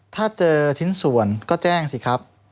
ถ้าเจอชิ้นส่วนก็แจ้งสิครับ